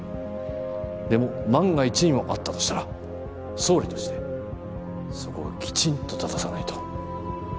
でも万が一にもあったとしたら総理としてそこはきちんと正さないと。